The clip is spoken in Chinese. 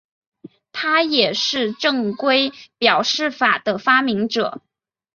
他也是正规表示法的发明者。